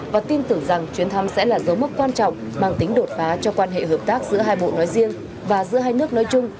và tin tưởng rằng chuyến thăm sẽ là dấu mốc quan trọng mang tính đột phá cho quan hệ hợp tác giữa hai bộ nói riêng và giữa hai nước nói chung